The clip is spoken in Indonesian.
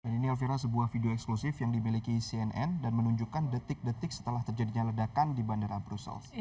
dan ini alvira sebuah video eksklusif yang dimiliki cnn dan menunjukkan detik detik setelah terjadinya ledakan di bandara brussels